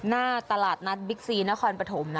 หน้าตลาดนัดบิ๊กซีนครปฐมนะ